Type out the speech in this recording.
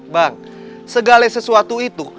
bang segala sesuatu itu